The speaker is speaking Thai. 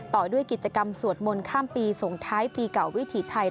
ต่อด้วยกิจกรรมสวดมนต์ข้ามปีส่งท้ายปีเก่าวิถีไทย